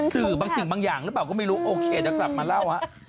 สื่อบางสิ่งบางอย่างหรือเปล่าก็ไม่รู้โอเคเดี๋ยวกลับมาเล่าฮะ